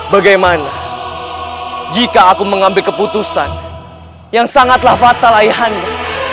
bagaimana jika aku mengambil keputusan yang sangatlah fatal aihannya